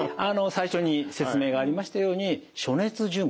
最初に説明がありましたように暑熱順化。